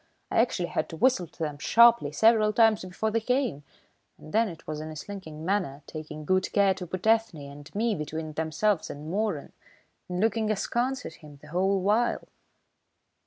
I actually had to whistle to them sharply several times before they came, and then it was in a slinking manner, taking good care to put Ethne and me between themselves and Moeran, and looking askance at him the whole while."